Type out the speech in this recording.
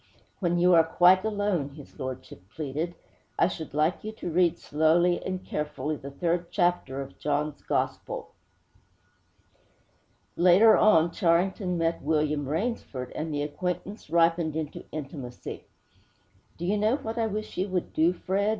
'When you are quite alone,' his lordship pleaded, 'I should like you to read slowly and carefully the third chapter of John's Gospel!' Later on, Charrington met William Rainsford, and the acquaintance ripened into intimacy. 'Do you know what I wish you would do, Fred?'